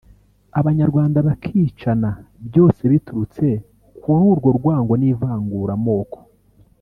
Abanyarwanda bakicana byose biturutse kuri urwo rwango n’ivangura moko